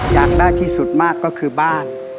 อยากได้ที่สุดมากก็คือบ้าน